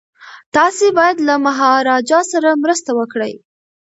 تاسي باید له مهاراجا سره مرسته وکړئ.